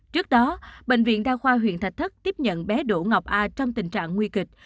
trước đó bệnh viện đa khoa huyện thạch thất tiếp nhận bé đỗ ngọc a trong tình trạng nguy kịch